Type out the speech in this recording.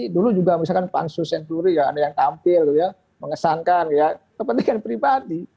dulu juga misalkan pansus senturi ya ada yang tampil mengesankan ya kepentingan pribadi